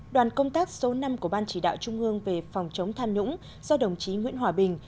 đoàn công tác số năm của ban chỉ đạo trung ương về phòng chống tham nhũng do đồng chí nguyễn hòa bình